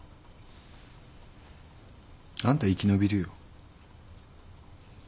あんた生き延びるよ。